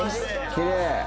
きれい。